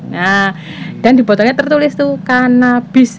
nah dan di botolnya tertulis tuh kanabis